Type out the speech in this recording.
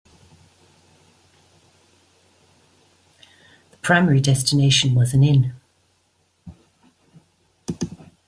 The primary destination was an inn.